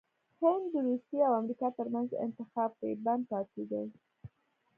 هند دروسیه او امریکا ترمنځ انتخاب کې بند پاتې دی😱